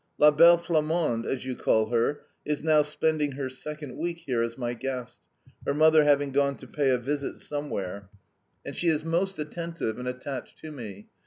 "'La Belle Flamande,' as you call her, is now spending her second week here as my guest (her mother having gone to pay a visit somewhere), and she is most attentive and attached to me.